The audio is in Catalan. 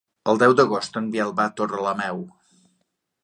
El deu d'agost en Biel va a Torrelameu.